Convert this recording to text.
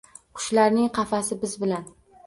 Qushlarning qafasi biz bilan